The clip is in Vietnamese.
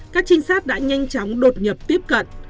các trinh sát đã nhanh chóng đột nhập tiếp cận